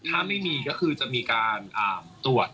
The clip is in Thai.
ถ้าไม่มีก็คือจะมีการตรวจ